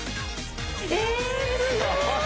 えすごい！